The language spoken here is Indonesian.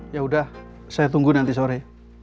yaudah saya tunggu nanti sore